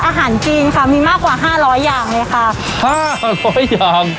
อาหารจีนค่ะมีมากกว่าห้าร้อยอย่างเลยค่ะห้าร้อยอย่าง